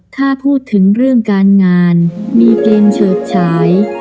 ถ้าพูดถึงเรื่องการงานมีเกมเฉิดฉาย